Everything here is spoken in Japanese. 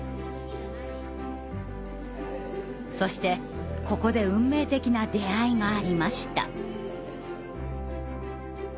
そしてここで運命的な出会いがありました。